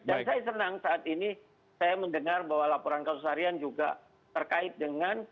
dan saya senang saat ini saya mendengar bahwa laporan kasus harian juga terkait dengan